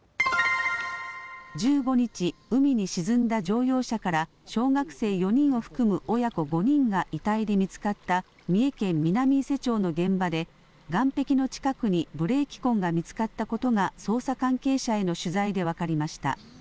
１５日、海に沈んだ乗用車から小学生４人を含む親子５人が遺体で見つかった三重県南伊勢町の現場で岸壁の近くにブレーキ痕が見つかったことが捜査関係者への取材で分かりました。